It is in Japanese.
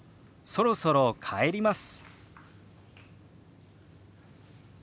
「そろそろ帰ります」。